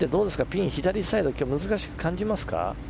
ピン左サイド難しく感じますか。